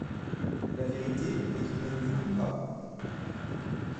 La vérité est qu'il ne le voulut pas.